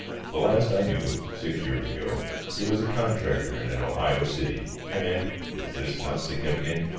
The last I knew six years ago he was a contractor in an Ohio city; and (is this not significant?)